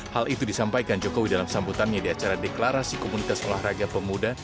hal itu disampaikan jokowi dalam sambutannya di acara deklarasi komunitas olahraga pemuda